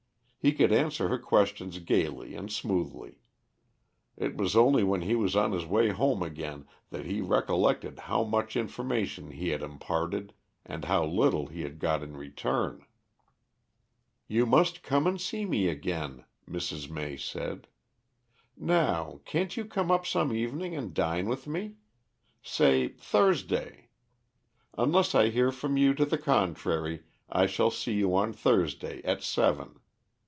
He could answer her questions gaily and smoothly. It was only when he was on his way home again that he recollected how much information he had imparted and how little he had got in return. "You must come and see me again," Mrs. May said. "Now, can't you come up some evening and dine with me? Say Thursday. Unless I hear from you to the contrary I shall see you on Thursday at seven.